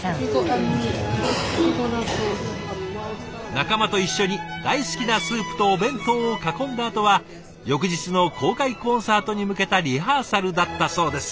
仲間と一緒に大好きなスープとお弁当を囲んだあとは翌日の公開コンサートに向けたリハーサルだったそうです。